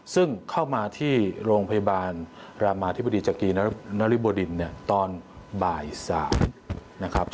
ซึ่งเข้ามาที่โรงพยาบาลรามาธิบดิจักรีนริบวดินตอนบ่ายสาม